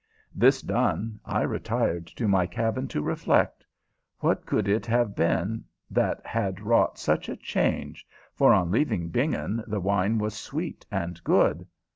This done, I retired to my cabin to reflect. What could it have been that had wrought such a change, for on leaving Bingen the wine was sweet and good?